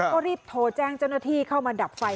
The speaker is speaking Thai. ก็รีบโทรแจ้งเจ้าหน้าที่เข้ามาดับไฟ